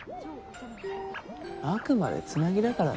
「あくまでつなぎだからな。